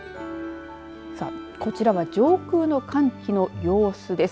こちらは上空の寒気の様子です。